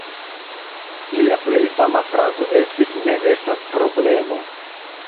Lia plej fama frazo estis "Ne estas problemo".